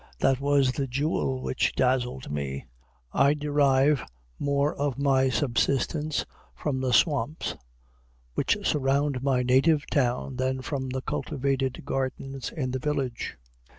That was the jewel which dazzled me. I derive more of my subsistence from the swamps which surround my native town than from the cultivated gardens in the village.